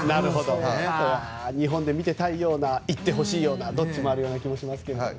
日本で見てたいような行ってほしいようなどっちもあるような気もしますけども。